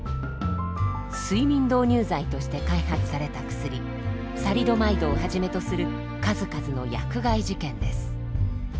睡眠導入剤として開発された薬サリドマイドをはじめとする数々の薬害事件です。